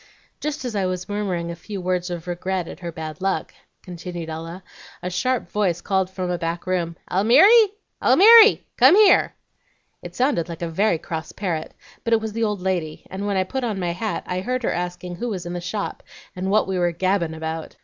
"Just as I was murmuring a few words of regret at her bad luck," continued Ella, "a sharp voice called out from a back room, 'Almiry! Almiry! come here.' It sounded very like a cross parrot, but it was the old lady, and while I put on my hat I heard her asking who was in the shop, and what we were 'gabbin' about.'